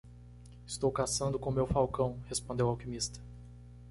"Estou caçando com meu falcão?" respondeu o alquimista.